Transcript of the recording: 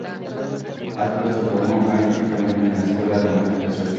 Asplund se forma artísticamente en la escuela romántica sueca.